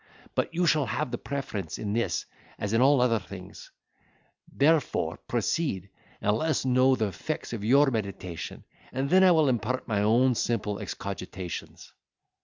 But you shall have the preference in this as in all other things; therefore proceed, and let us know the effects of your meditation; and then I will impart my own simple excogitations."